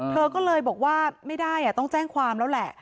เธอก็เลยบอกว่าไม่ได้ต้องแจ้งความแล้วแหละ